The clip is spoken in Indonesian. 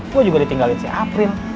gue juga ditinggalin si april